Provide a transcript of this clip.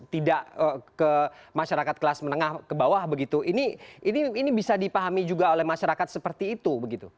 tidak ke masyarakat kelas menengah ke bawah begitu ini bisa dipahami juga oleh masyarakat seperti itu